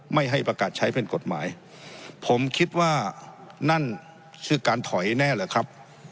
ไม่ให้ประกาศใช้เป็นกฎหมายผมคิดว่านั่นคือการถอยแน่หรือครับ